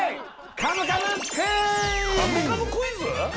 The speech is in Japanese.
カムカムクイズ？